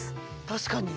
確かに。